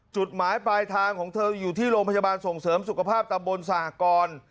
จุดหมายปลายทางของเธออยู่ที่โรงพยาบาลส่งเสริมสุขภาพตำบลสหกร